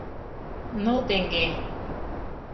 Ныл теҥге!